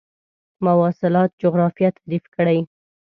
مواصلات جغرافیه تعریف کړئ.